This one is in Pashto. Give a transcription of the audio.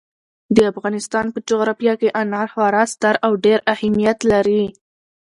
د افغانستان په جغرافیه کې انار خورا ستر او ډېر اهمیت لري.